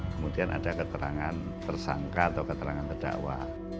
kemudian ada keterangan tersangka atau keterangan terdakwa